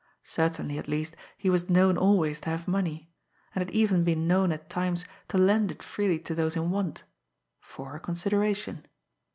Certainly, at least, he was known always to have money; and had even been known at times to lend it freely to those in want for a consideration.